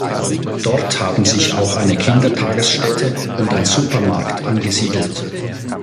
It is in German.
Dort haben sich auch eine Kindertagesstätte und ein Supermarkt angesiedelt.